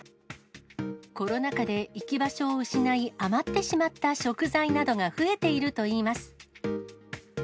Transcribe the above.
コロナ禍で行き場所を失い、余ってしまった食材などが増えているといいます。